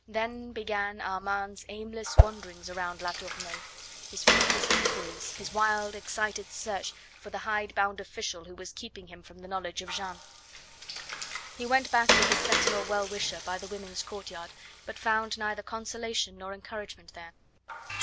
Then began Armand's aimless wanderings round La Tournelle, his fruitless inquiries, his wild, excited search for the hide bound official who was keeping from him the knowledge of Jeanne. He went back to his sentinel well wisher by the women's courtyard, but found neither consolation nor encouragement there.